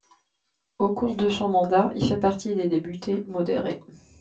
Au cours de son mandat, il fait partie des députés modérés.